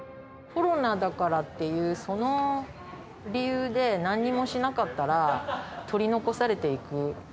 コロナだからっていう、その理由でなんにもしなかったら、取り残されていく。